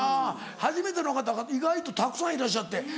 初めての方が意外とたくさんいらっしゃって。